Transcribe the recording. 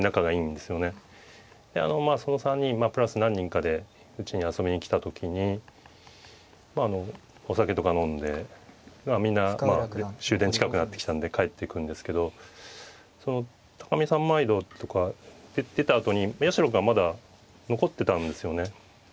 でその３人プラス何人かでうちに遊びに来た時にお酒とか飲んでみんなまあ終電近くなってきたんで帰っていくんですけど見三枚堂とか出たあとに八代君はまだ残ってたんですよね。